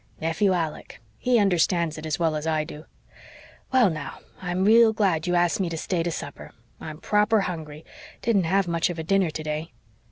"Nephew Alec. He understands it as well as I do. Well, now, I'm real glad you asked me to stay to supper. I'm proper hungry didn't have much of a dinner today."